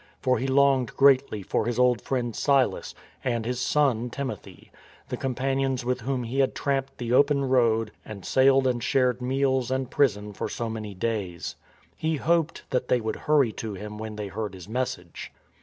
For he longed greatly for his old friend Silas and his " son " Timothy, the companions with whom he had tramped the open road and sailed and shared meals and prison for so many days. He hoped that they would hurry to him when, they heard his message.